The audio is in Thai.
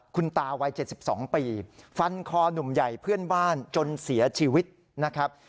คุณตาวัย๗๒ปีฟันคอหนุ่มใหญ่เพื่อนบ้านจนเสียชีวิตนะครับ